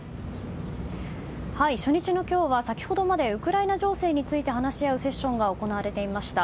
初日の今日は、先ほどまでウクライナ情勢について話し合うセッションが行われていました。